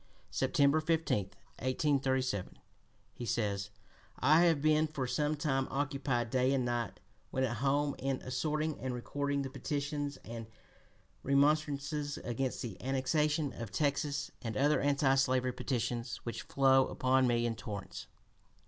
September 15, 1837, he says: "I have been for some time occupied day and night, when at home, in assorting and recording the petitions and remonstrances against the annexation of Texas, and other (p. 256) anti slavery petitions, which flow upon me in torrents."